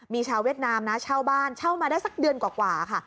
มีชาวเวียดนามนะเช่าบ้านเช่ามาได้สักเดือนกว่าค่ะ